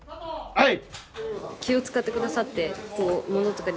はい！